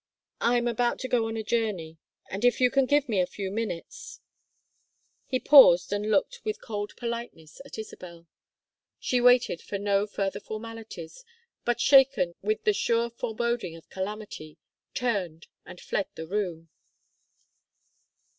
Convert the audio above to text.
"I'm about to go on a journey, and if you can give me a few minutes " He paused and looked with cold politeness at Isabel. She waited for no further formalities, but shaken with the sure foreboding of calamity, turned and fled the room.